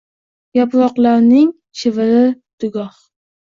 Yaproqlarning shiviri — Dugoh